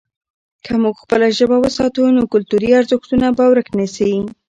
که موږ خپله ژبه وساتو، نو کلتوري ارزښتونه به ورک نه سي.